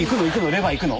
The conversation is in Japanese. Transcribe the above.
レバー行くの？